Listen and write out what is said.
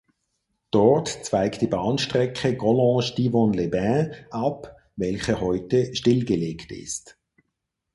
Dort zweigt die Bahnstrecke Collonges–Divonne-les-Bains ab, welche heute stillgelegt ist.